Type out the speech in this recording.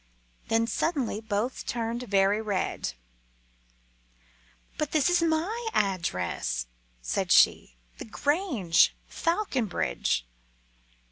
Then suddenly both turned very red. "But this is my address," said she. "The Grange, Falconbridge."